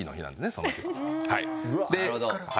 その日は。